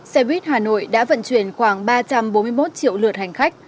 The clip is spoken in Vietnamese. xe buýt hà nội đã vận chuyển khoảng ba trăm bốn mươi một triệu lượt hành khách